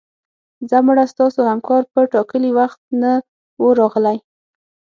ځه مړه ستاسو همکار په ټاکلي وخت نه و راغلی